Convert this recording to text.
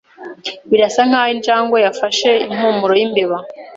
Birasa nkaho injangwe yafashe impumuro yimbeba.